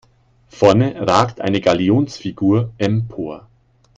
Vorne ragt eine Galionsfigur empor.